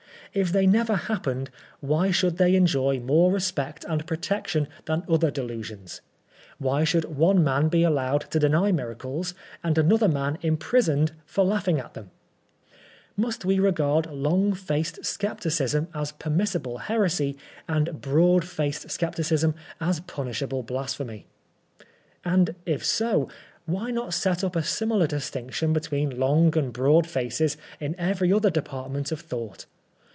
If they never happened, why should they enjoy more respect and protection than other delusions ? Why should one man be allowed to deny miracles, and another man imprisoned for laughing at them ? Must we regard long faced scepticism as permissible heresy, and broad faced scepticism as punishable blasphemy ? And if so, why not set up a similar distinction between long and broad faces in every other department of thought